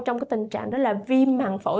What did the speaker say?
trong tình trạng viêm màng phổi